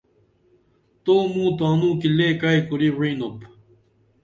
توموں تانوں کی لے کعی کُری وعِنُپ